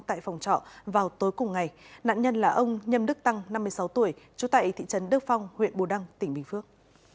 tại phòng trọ vào tối cùng ngày nạn nhân là ông nhâm đức tăng năm mươi sáu tuổi trú tại thị trấn đức phong huyện bù đăng tỉnh bình phước